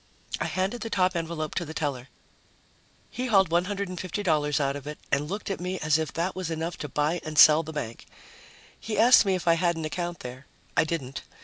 I handed the top envelope to the teller. He hauled $150 out of it and looked at me as if that was enough to buy and sell the bank. He asked me if I had an account there. I didn't.